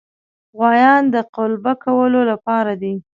غوایان د قلبه کولو لپاره دي.